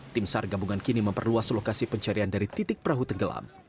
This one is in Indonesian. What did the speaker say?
tim sar gabungan kini memperluas lokasi pencarian dari titik perahu tenggelam